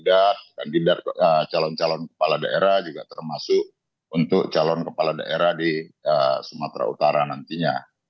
ada kandidat calon calon kepala daerah juga termasuk untuk calon kepala daerah di sumatera utara nantinya